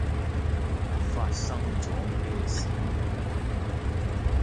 發生咗咩事？